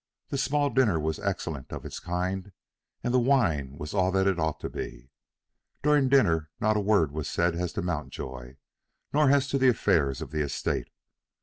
The small dinner was excellent of its kind, and the wine was all that it ought to be. During dinner not a word was said as to Mountjoy, nor as to the affairs of the estate.